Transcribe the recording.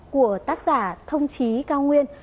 của tác giả thông chí cao nguyên